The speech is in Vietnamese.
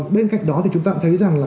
bên cạnh đó thì chúng ta thấy rằng là